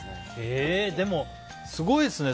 でも、すごいですね。